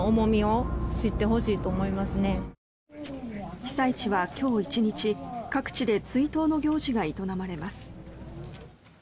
被災地は今日１日各地で追悼の行事が営まれます。